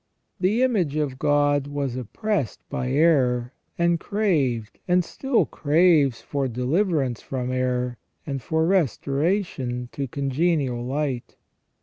* The image of God was oppressed by error, and craved, and still craves, for deliverance from evil, and for restoration to con genial light.